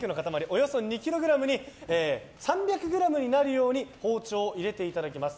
およそ２ｋｇに３００ｇになるように包丁を入れていただきます。